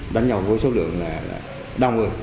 đánh nhau với số lượng đông người